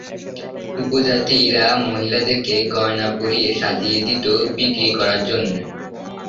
উপজাতিরা মহিলাদেরকে গয়না পরিয়ে সাজিয়ে দিত বিক্রি করার জন্যে।